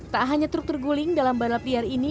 tak hanya truk terguling dalam balap liar ini